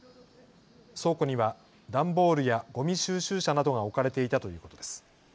倉庫には段ボールやごみ収集車などが置かれていたということです。